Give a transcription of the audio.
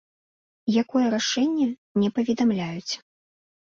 Якое рашэнне, не паведамляюць.